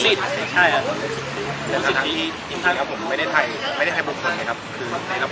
เริ่มถ่ายรูปเองเงี่ยครับ